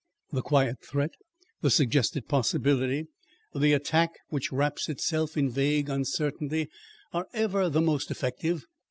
The quiet threat, the suggested possibility, the attack which wraps itself in vague uncertainty, are ever the most effective.